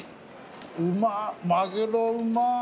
うまっマグロうまっ。